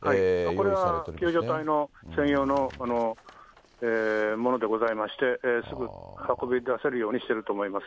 これは救助隊の専用のものでございまして、すぐ運び出せるようにしていると思います。